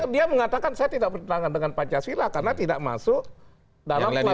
dia mengatakan saya tidak bertentangan dengan pancasila karena tidak masuk dalam koalisi